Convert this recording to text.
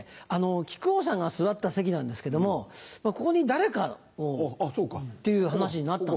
木久扇さんが座った席なんですけどもここに誰かをっていう話になった。